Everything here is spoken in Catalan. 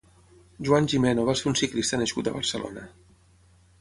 Joan Gimeno va ser un ciclista nascut a Barcelona.